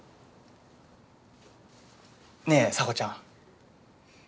ねえ沙帆ちゃん。